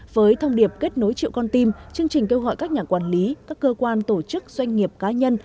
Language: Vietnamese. với thông điệp kết nối triệu con tim chương trình kêu gọi các nhà quản lý các cơ quan tổ chức doanh nghiệp cá nhân